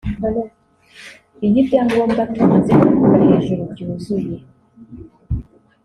Iyo ibyangombwa tumaze kuvuga hejuru byuzuye